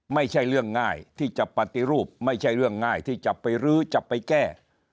ไม่ใช่เรื่องง่ายที่จะปฏิรูปไม่ใช่เรื่องง่ายที่จะไปรื้อจะไปแก้